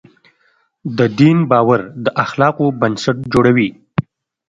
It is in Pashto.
د دین باور د اخلاقو بنسټ جوړوي.